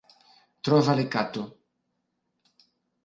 Trova le catto.